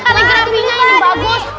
aligraminya ini bagus